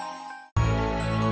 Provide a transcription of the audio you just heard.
mama nggak peduli